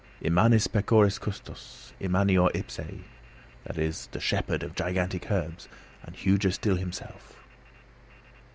Immanis pecoris custos, immanior ipse. "The shepherd of gigantic herds, and huger still himself."